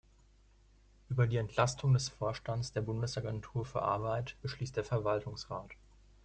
Über die Entlastung des Vorstands der Bundesagentur für Arbeit beschließt der Verwaltungsrat.